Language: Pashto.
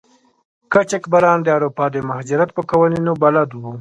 قاچاقبران د اروپا د مهاجرت په قوانینو بلد وو.